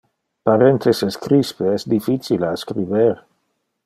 Parentheses crispe es difficile a scriber.